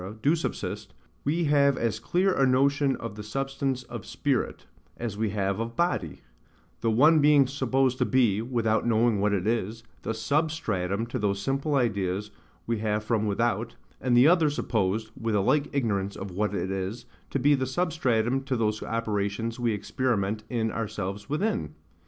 do subsist, we have as clear a notion of the substance of spirit, as we have of body; the one being supposed to be (without knowing what it is) the SUBSTRATUM to those simple ideas we have from without; and the other supposed (with a like ignorance of what it is) to be the SUBSTRATUM to those operations we experiment in ourselves within.